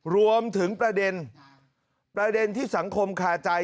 รวมถึงประเด็นประเด็นที่สังคมคาใจ